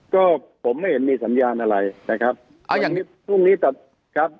ก็ผมไม่เห็นมีสัญญาณอะไรนะครับ